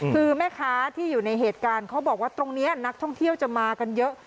คือแม่ค้าที่อยู่ในเหตุการณ์เขาบอกว่าตรงนี้นักท่องเที่ยวจะมากันเยอะ